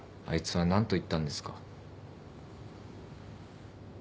あいつは何と言ったんですか？